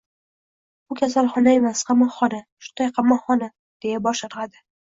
«Bu kasalxona emas, qamoqxona. Shunday, qamoqxona», deya bosh irg‘adi.